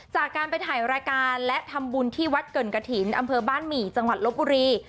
จากการไปถ่ายรายการและทำบุญที่วัดเกิ่นกระถิ่นอำเภอบ้านหมี่จังหวัดลบบุรี